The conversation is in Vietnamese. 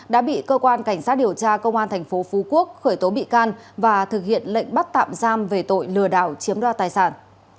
đã bị cơ quan cảnh sát điều tra công an thành phố phú quốc khởi tố bị can và thực hiện lệnh bắt tạm giam về tội lừa đảo chiếm đoạt tài sản